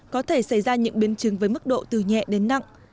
có thể xảy ra những biến chứng với mức độ từ nhẹ đến nặng